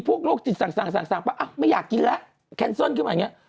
โรคจิตสั่งปั๊บไม่อยากกินแล้วแคนเซิลขึ้นมาอย่างนี้